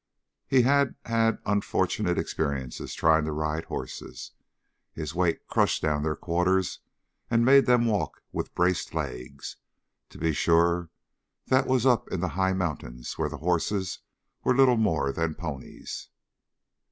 He had had unfortunate experiences trying to ride horses. His weight crushed down their quarters and made them walk with braced legs. To be sure, that was up in the high mountains where the horses were little more than ponies.